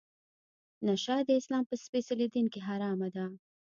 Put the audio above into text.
نشه د اسلام په سپیڅلي دین کې حرامه ده.